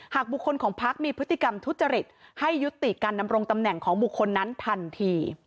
บุคคลของพักมีพฤติกรรมทุจริตให้ยุติการดำรงตำแหน่งของบุคคลนั้นทันที